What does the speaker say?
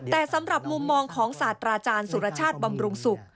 แต่สำหรับมุมมองของศาสตราจารย์สุรชาติบำรุงศุกร์